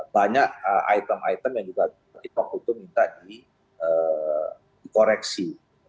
banyak item item yang juga di waktu itu minta dikoreksi